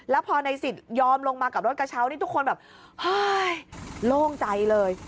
แล้วพอในสิทธิ์ยอมลงมากับรถกระเช้านี่ทุกคนแบบเฮ้ยโล่งใจเลย